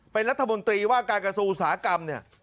เป็นรัฐมนตรีว่าการกระทรวงอุตสาหกรรมเนี่ย